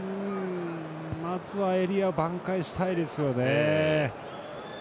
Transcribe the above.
まずはエリア挽回したいですよね。